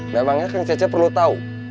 memangnya kang cecep perlu tahu